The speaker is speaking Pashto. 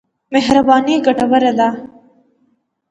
مهرباني ګټوره ده.